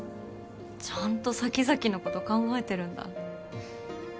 ちゃんと先々のこと考えてるんだ。